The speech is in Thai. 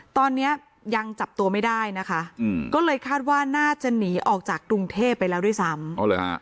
ตอนนี้ยังจับตัวไม่ได้นะคะอืมก็เลยคาดว่าน่าจะหนีออกจากกรุงเทพไปแล้วด้วยซ้ำ